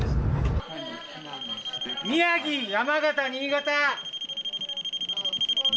宮城、山形、新潟！